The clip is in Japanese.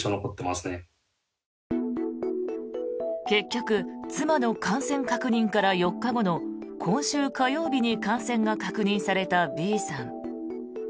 結局妻の感染確認から４日後の今週火曜日に感染が確認されたＢさん。